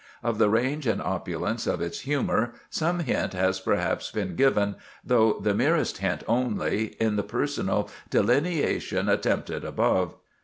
Of the range and opulence of its humor some hint has perhaps been given, though the merest hint only, in the personal delineations attempted above.